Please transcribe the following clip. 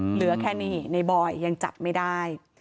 เหลือแค่นี้ในบอยยังจับไม่ได้